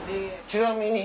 ちなみに。